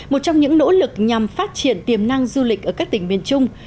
một trong những nỗ lực nhằm phát triển tiềm năng du lịch ở các tỉnh miền trung